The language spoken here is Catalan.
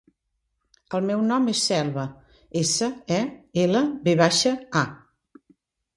El meu nom és Selva: essa, e, ela, ve baixa, a.